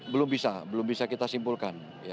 belum bisa belum bisa kita simpulkan